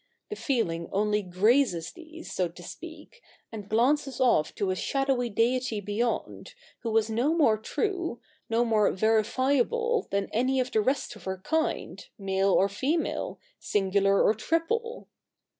The feeling only grazes these, so to speak, and glances off to a shadowy deity beyond, who was no more true, no more verifiable 2o8 THE NEW REPUBLIC [ok. iv than any of the rest of her kind, male or female, singular or triple.